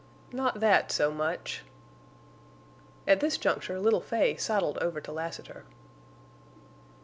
"Not that so much." At this juncture little Fay sidled over to Lassiter.